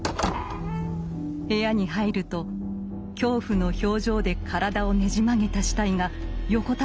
部屋に入ると恐怖の表情で体をねじ曲げた死体が横たわっていました。